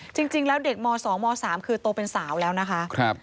จริงจริงแล้วเด็กมอสองมอสามคือโตเป็นสาวแล้วนะคะครับ